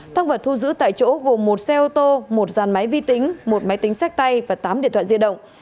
thăng vật thu giữ tại chỗ gồm một xe ô tô một giàn máy vi tính một máy tính sách tay và tám điện thoại di động